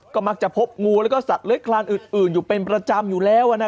ก็มักจะพบงูแล้วก็สัตว์เลื้อยคลานอื่นอยู่เป็นประจำอยู่แล้ว